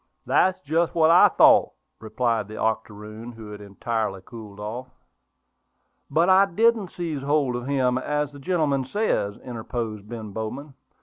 "That's just what I thought," replied the octoroon, who had entirely cooled off. "But I didn't seize hold of him, as the gentleman says," interposed Ben Bowman.